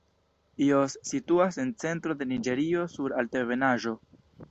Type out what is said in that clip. Jos situas en centro de Niĝerio sur altebenaĵo.